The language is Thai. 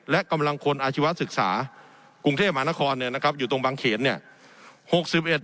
และกำลังพลอาชีวศึกษากรุงเทพมหานครเนี่ยนะครับอยู่ตรงบางเขนเนี่ย